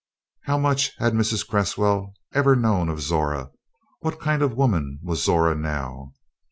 How much had Mrs. Cresswell ever known of Zora? What kind of a woman was Zora now?